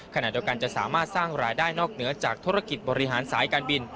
ขณะเดียวกันจะสามารถสร้างรายได้นอกเหนือจากธุรกิจบริหารสายการบิน